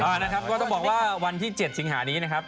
ต้องบอกว่าวันที่๗สิงหานี้นะครับ